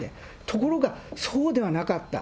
ところがそうではなかった。